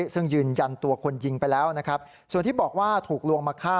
ซึ่งยืนยันตัวคนยิงไปแล้วนะครับส่วนที่บอกว่าถูกลวงมาฆ่า